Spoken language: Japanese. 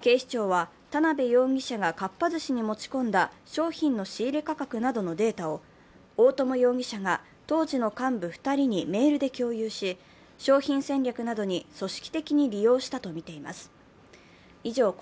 警視庁は、田辺容疑者がかっぱ寿司に持ち込んだ商品の仕入れ価格などのデータを大友容疑者が当時の幹部２人にメールで共有し、ひまわりのようにすこやかにあなたを咲かそうひまわり生命